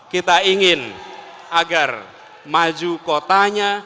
kita ingin agar maju kotanya